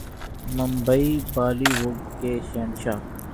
Mumbai Bollywood کے شہنشاہ